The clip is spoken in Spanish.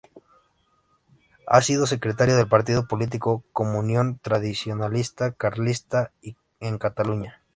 Ha sido secretario del partido político Comunión Tradicionalista Carlista en Cataluña.